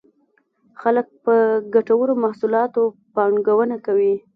خلک په ګټورو محصولاتو پانګونه کوي.